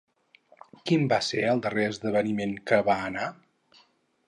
Quin va ser el darrer esdeveniment a què va anar?